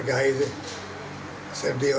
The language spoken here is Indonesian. dan tubuh kepolisian tetap harus kompak